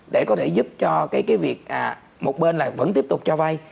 để có thể giúp cho cái việc một bên là vẫn tiếp tục cho vay